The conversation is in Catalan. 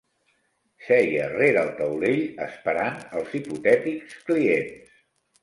Seia rere el taulell esperant els hipotètics clients.